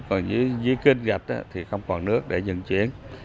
còn dưới kinh gạch thì không còn nước để dần chuyển